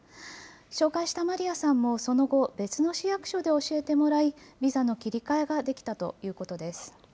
紹介したマリヤさんもその後、別の市役所で教えてもらい、ビザの切り替えができたということです。